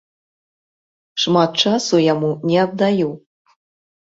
Шмат часу яму не аддаю.